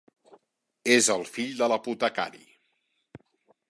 És el fill de l'apotecari.